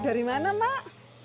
dari mana mak